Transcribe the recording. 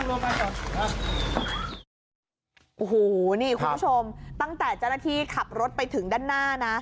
โอ้โหนี่คุณผู้ชมตั้งแต่เจ้าหน้าที่ขับรถไปถึงด้านหน้านะ